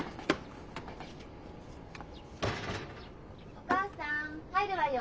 ・お母さん入るわよ。